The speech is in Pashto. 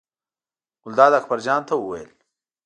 ګلداد اکبر جان ته وویل.